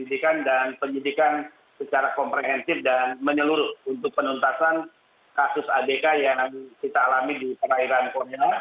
penyelidikan dan penyidikan secara komprehensif dan menyeluruh untuk penuntasan kasus abk yang kita alami di perairan korea